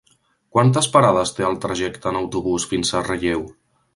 Quantes parades té el trajecte en autobús fins a Relleu?